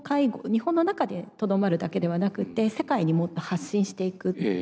日本の中でとどまるだけではなくて世界にもっと発信していくっていうんですかね。